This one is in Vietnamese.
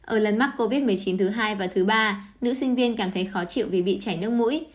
ở lần mắc covid một mươi chín thứ hai và thứ ba nữ sinh viên cảm thấy khó chịu vì bị chảy nước mũi